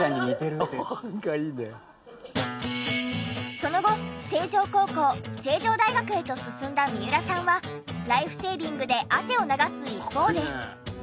その後成城高校成城大学へと進んだ三浦さんはライフセービングで汗を流す一方で。